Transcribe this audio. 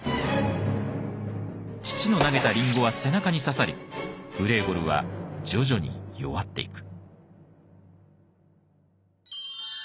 父の投げたリンゴは背中に刺さりグレーゴルは徐々に弱っていく。